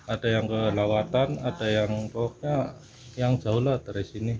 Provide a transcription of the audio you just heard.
ada yang ke lawatan ada yang pokoknya yang jauh lah dari sini